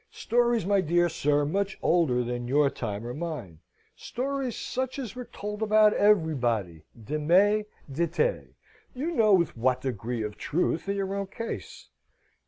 "Stories, my dear sir, much older than your time or mine. Stories such as were told about everybody, de me, de te; you know with what degree of truth in your own case."